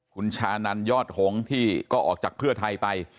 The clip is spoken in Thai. คุณชานันยอดหงษ์ที่ก็ออกจากเพื่อไทยไป